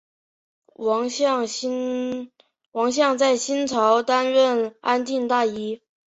王向在新朝担任安定大尹。